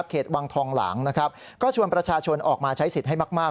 เขตวังทองหลังก็ชวนประชาชนออกมาใช้สิทธิ์ให้มาก